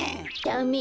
ダメ。